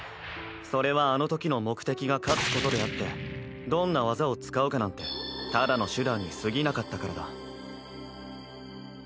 それはあのときの目的が勝つことであってどんな技を使うかなんてただの手段にすぎなかったからだ。